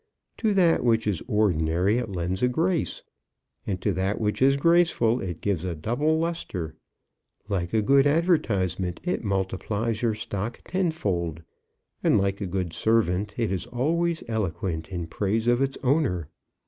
To that which is ordinary it lends a grace; and to that which is graceful it gives a double lustre. Like a good advertisement, it multiplies your stock tenfold, and like a good servant, it is always eloquent in praise of its owner.